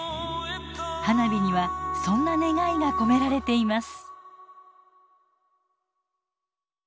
花火にはそんな願いが込められています。